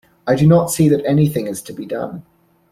I do not see that anything is to be done.